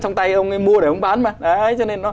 trong tay ông ấy mua để ông ấy bán mà đấy cho nên